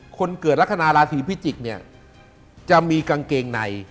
คนเกิดลักษณะราศีพิจิกเนี่ยจะมีกางเกงใน